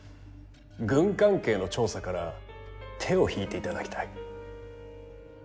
軍関係の調査から手を引いていただきたい。